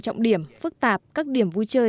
trọng điểm phức tạp các điểm vui chơi